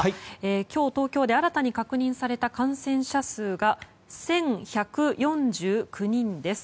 今日、東京で新たに確認された感染者数が１１４９人です。